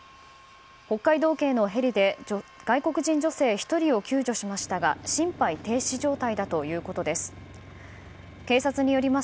北海道警のヘリで外国人女性１人を救助しましたが心肺停止状態だということです。